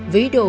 với ý đồ